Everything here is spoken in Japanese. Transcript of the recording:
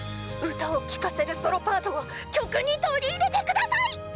歌を聴かせるソロパートを曲に取り入れて下さい！」。